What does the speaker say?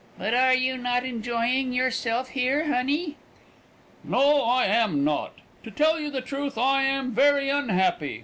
"But are you not enjoying yourself here, honey?" "No, I am not. To tell you the truth, I am very unhappy.